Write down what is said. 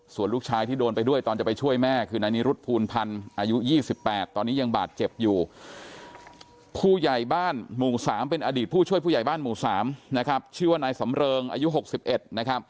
ส่วนลูกชายที่โดนไปด้วยตอนจะไปช่วยแม่คือนายนิรุธภูลพันธ์